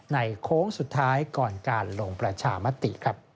โค้งสุดท้ายก่อนการลงประชามติ